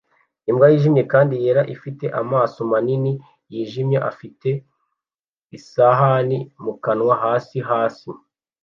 Imbwa yijimye kandi yera ifite amaso manini yijimye afite isahani mu kanwa hasi hasi